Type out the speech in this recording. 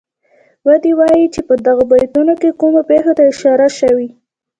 ودې وايي چه په دغو بیتونو کې کومو پېښو ته اشاره شوې.